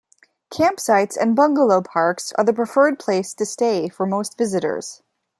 Campsites and bungalow parks are the preferred place to stay for most visitors.